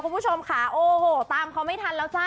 คุณผู้ชมค่ะโอ้โหตามเขาไม่ทันแล้วจ้า